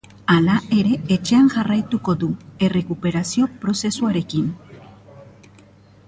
Hala ere, etxean jarraituko du errekuperazio prozesuarekin.